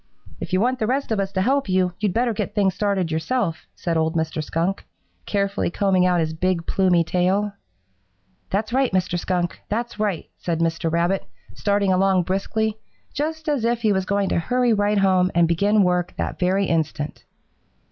"'If you want the rest of us to help you, you'd better get things started yourself,' said old Mr. Skunk, carefully combing out his big, plumy tail. "'That's right, Mr. Skunk! That's right!' said Mr. Rabbit, starting along briskly, just as if he was going to hurry right home and begin work that very instant.